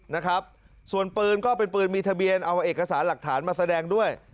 นะครับส่วนปืนก็เป็นปืนมีทะเบียนเอาเอกสารหลักฐานมาแสดงด้วย